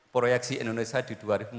proyeksi indonesia di dua ribu empat puluh